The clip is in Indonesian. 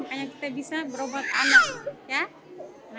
makanya kita bisa berobat anak ya